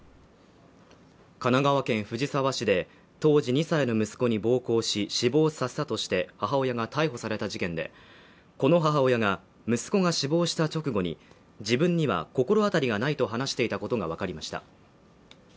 神奈川県藤沢市で当時２歳の息子に暴行し死亡させたとして母親が逮捕された事件で、この母親が息子が死亡した直後に、自分には心当たりがないと話していたことがわかりました。